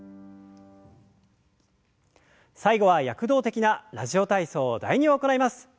最後は躍動的な「ラジオ体操第２」を行います。